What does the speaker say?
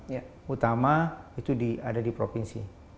yang utama itu ada di provinsi